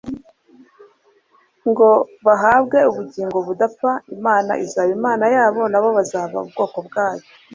ngo bahabwe ubugingo budapfa. Imana izaba Imana yabo na bo bazaba ubwoko bwayo.